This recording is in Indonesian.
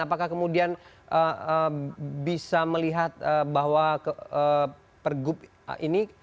apakah kemudian bisa melihat bahwa pergub ini